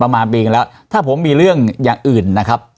มาปีกันแล้วถ้าผมมีเรื่องอย่างอื่นนะครับ